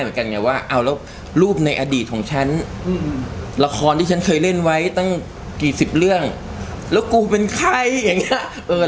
ถ้าใครอยากรู้ว่าใครจะจ่ายเท่าไหร่